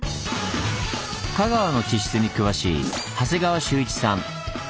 香川の地質に詳しい長谷川修一さん。